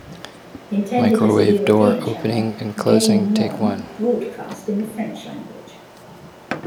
Intended as a European channel, Game One broadcast in the French language.